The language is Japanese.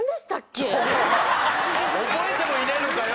覚えてもいないのかよ！